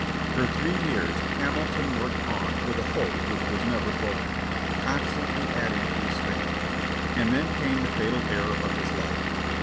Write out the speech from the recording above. For three years Hamilton worked on with a hope which was never broken, constantly adding to his fame. And then came the fatal error of his life.